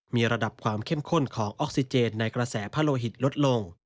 มีระดับความเข้มข้นของออกซิเจนในกระแสผ้าโลหิตลดลง